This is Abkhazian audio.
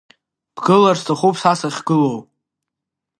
Бгылар сҭахуп са сахьгылоу…